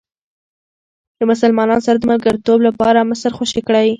د مسلمانانو سره د ملګرتوب لپاره مصر خوشې کړئ.